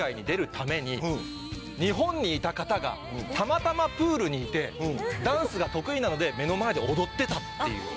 たまたまプールにいてダンスが得意なので目の前で踊ってたっていう。